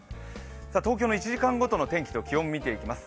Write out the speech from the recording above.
東京の１時間ごとの天気と気温を見ていきます。